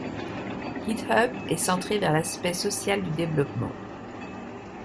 GitHub est centré vers l'aspect social du développement.